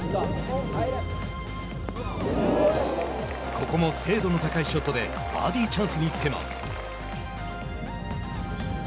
ここも精度の高いショットでバーディーチャンスにつけます。